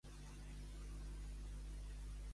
Pescador de vora a vora.